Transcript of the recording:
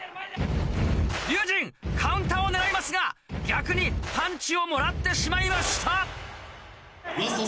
龍心カウンターを狙いますが逆にパンチをもらってしまいました。